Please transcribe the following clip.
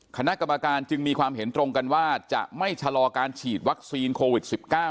คณะกรรมการจึงมีความเห็นตรงกันว่าจะไม่ชะลอการฉีดวัคซีนโควิด๑๙